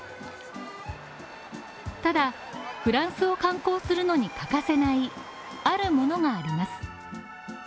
ただ、フランスを観光するのに欠かせないあるものがあります。